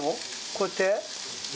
こうやって？